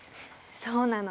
そうなの。